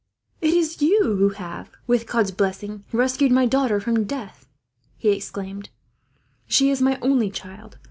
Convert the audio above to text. "It is you who have, with God's blessing, rescued my daughter from death," he exclaimed. "She is my only child.